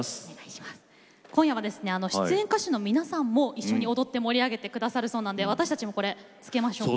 今夜はですね出演歌手の皆さんも一緒に踊って盛り上げて下さるそうなんで私たちもこれ着けましょう。